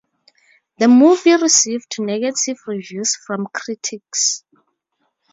The movie received negative reviews from critics.